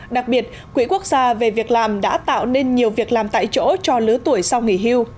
đặc biệt quỹ quốc gia về việc làm đã tạo nên nhiều việc làm tại chỗ cho lứa tuổi sau nghỉ hưu